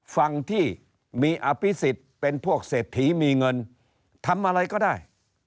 ฝั่งที่มีอภิษฎเป็นพวกเศรษฐีมีเงินทำอะไรก็ได้